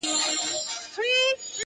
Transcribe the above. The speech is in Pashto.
• ما دي دغه ورځ په دوو سترګو لیدله ,